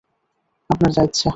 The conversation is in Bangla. আপনার যা ইচ্ছা।